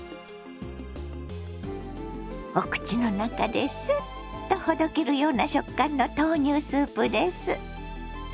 お口の中ですっとほどけるような食感の豆乳スープです。